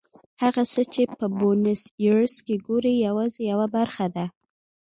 هغه څه چې په بونیس ایرس کې ګورئ یوازې یوه برخه ده.